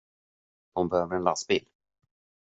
De behöver en lastbil.